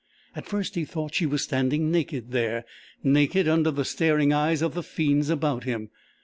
At first he thought she was standing naked there naked under the staring eyes of the fiends about him.